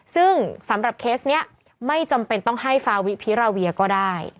ซึ่งสำหรับเคสนี้ไม่จำเป็นต้องให้ฟาวิพิราเวียก็ได้